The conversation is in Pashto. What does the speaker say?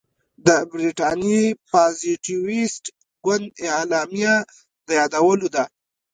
د برټانیې پازیټویسټ ګوند اعلامیه د یادولو ده.